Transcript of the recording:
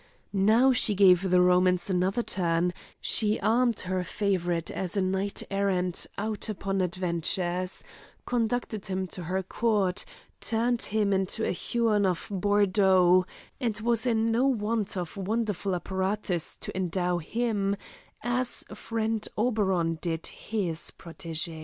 Now she gave the romance another turn; she armed her favourite as a knight errant out upon adventures, conducted him to her court, turned him into a Huon of Bordeaux, and was in no want of wonderful apparatus to endow him as friend Oberon did his protégé.